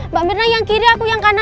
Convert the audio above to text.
mbak mirna yang kiri aku yang kanan